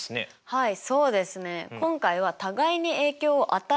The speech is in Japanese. はい。